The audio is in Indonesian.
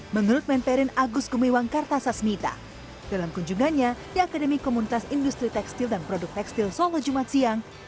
menurut menperin agus gumiwang kartasasmita dalam kunjungannya di akademi komunitas industri tekstil dan produk tekstil solo jumat siang